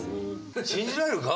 信じられるか？